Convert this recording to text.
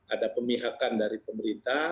ada pemihakan dari pemerintah